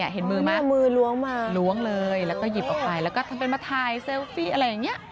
เห็นมือไหมเอามือล้วงมาล้วงเลยแล้วก็หยิบออกไปแล้วก็ทำเป็นมาถ่ายเซลฟี่อะไรอย่างนี้